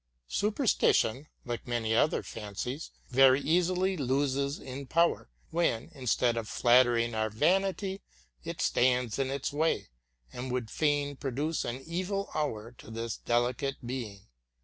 Superstition, like many other fancies, very easily loses in power, when, instead of flattering our vanity, it stands in its way, and would fain produce an evil hour to this delicate being.